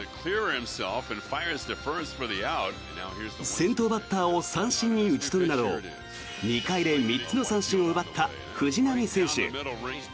先頭バッターを三振に打ち取るなど２回で３つの三振を奪った藤浪選手。